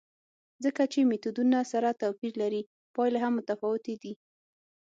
ځکه چې میتودونه سره توپیر لري، پایلې هم متفاوتې دي.